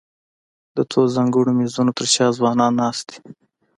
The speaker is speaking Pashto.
د څو ځانګړو مېزونو تر شا ځوانان ناست دي.